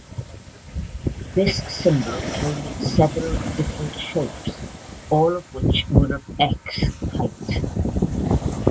This symbol came in several different shapes, all of which were of x-height.